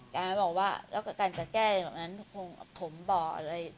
การให้บอกว่าการจะแก้แบบนั้นถมบ่ออะไร